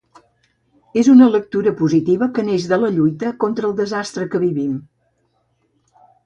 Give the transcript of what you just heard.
És una lectura positiva que neix de la lluita contra el desastre que vivim.